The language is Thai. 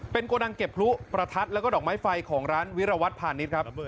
โกดังเก็บพลุประทัดแล้วก็ดอกไม้ไฟของร้านวิรวัตรพาณิชย์ครับ